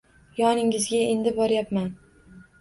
Yoningizga endi bormayman.